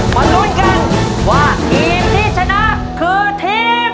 มาลุ้นกันว่าทีมที่ชนะคือทีม